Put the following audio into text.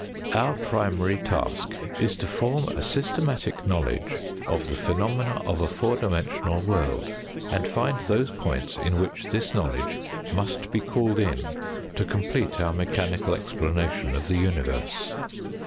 Our primary task is to form a systematic knowledge of the phenomena of a four dimensional world and find those points in which this knowledge must be called in to complete our mechanical explanation of the universe.